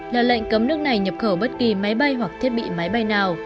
là lệnh cấm nước này nhập khẩu bất kỳ máy bay hoặc thiết bị máy bay nào